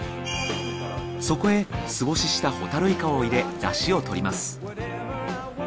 そこへ素干ししたホタルイカを入れ出汁をとります。